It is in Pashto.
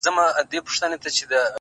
• شاوخوا پر طبیبانو ګرځېدله ,